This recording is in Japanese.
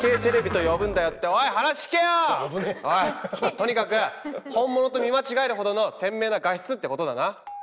とにかく本物と見間違えるほどの鮮明な画質ってことだな。